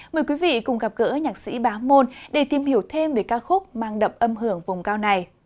mời quý vị cùng gặp gỡ nhạc sĩ bá môn để tìm hiểu thêm về ca khúc mang đậm âm hưởng vùng cao này